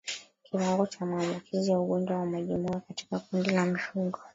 Kiwango cha maambukizi ya ugonjwa wa majimoyo katika kundi la mifugo